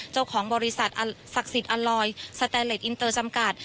เจ้าของบริษัทศักดิ์สิทธิ์อัลลอยสแตนเลสอินเตอร์จำกัด